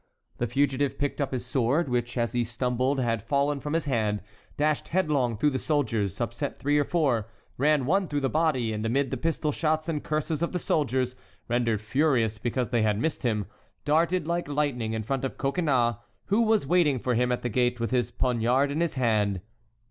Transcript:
The fugitive picked up his sword, which as he stumbled had fallen from his hand, dashed headlong through the soldiers, upset three or four, ran one through the body, and amid the pistol shots and curses of the soldiers, rendered furious because they had missed him, darted like lightning in front of Coconnas, who was waiting for him at the gate with his poniard in his hand.